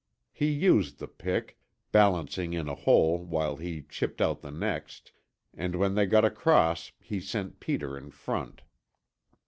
He used the pick, balancing in a hole while he chipped out the next, and when they got across he sent Peter in front.